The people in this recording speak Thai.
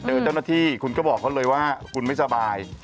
เจ้าหน้าที่คุณก็บอกเขาเลยว่าคุณไม่สบาย